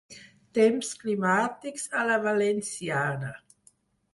Temps climàtics a la valenciana.